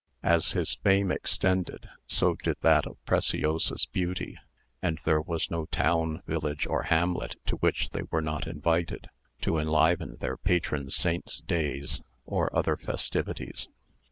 As his fame extended, so did that of Preciosa's beauty; and there was no town, village, or hamlet, to which they were not invited, to enliven their patron saints' days, or other festivities.